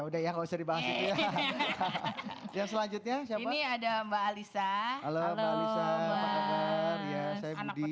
udah ya nggak usah dibahas itu ya yang selanjutnya siapa ini ada mbak alisa halo mbak alisa apa kabar